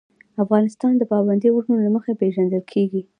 افغانستان د پابندی غرونه له مخې پېژندل کېږي.